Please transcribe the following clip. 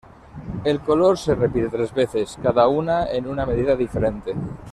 El "color" se repite tres veces, cada una en una medida diferente.